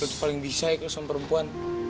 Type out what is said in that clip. lu tuh paling bisa ya kelesuan perempuan